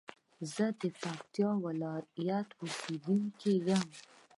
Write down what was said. زه د پکتيا ولايت اوسېدونکى يم.